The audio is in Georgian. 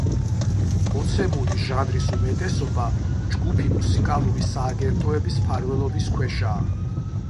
მოცემული ჟანრის უმეტესობა ჯგუფი მუსიკალური სააგენტოების მფარველობის ქვეშაა.